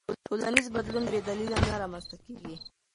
ټولنیز بدلون بې دلیله نه رامنځته کېږي.